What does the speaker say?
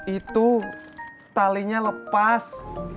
itu talinya lepas